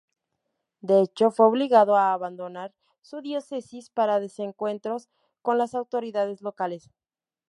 De hecho, fue obligado a abandonar su diócesis para desencuentros con las autoridades locales.